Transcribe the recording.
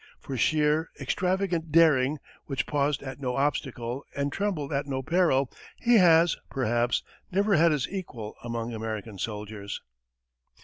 For sheer, extravagant daring, which paused at no obstacle and trembled at no peril, he has, perhaps, never had his equal among American soldiers.